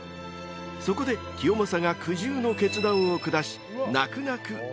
［そこで清正が苦渋の決断を下し泣く泣く］